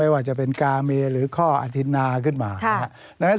ว่าจะเป็นกาเมหรือข้ออธินาขึ้นมานะครับ